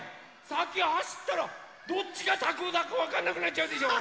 さきはしったらどっちがたこだかわかんなくなっちゃうでしょ！